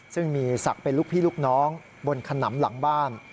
ซึ่งมีศักดิ์เป็นลูกพี่ลูกน้องบนขนำหลังบ้าน